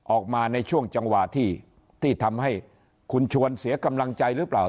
ออกมาในช่วงจังหวะที่ทำให้คุณชวนเสียกำลังใจหรือเปล่า